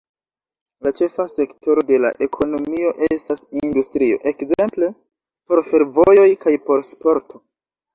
La ĉefa sektoro de la ekonomio estas industrio, ekzemple por fervojoj kaj por sporto.